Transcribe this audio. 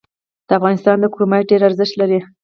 د افغانستان کرومایټ ډیر ارزښت لري